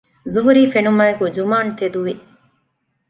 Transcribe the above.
ޒުހުރީ ފެނުމާއެކު ޖުމާން ތެދުވި